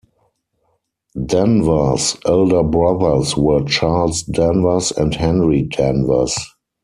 Danvers' elder brothers were Charles Danvers and Henry Danvers.